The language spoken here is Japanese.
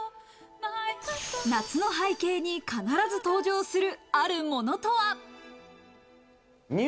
夏の背景に必ず登場する、あるものとは？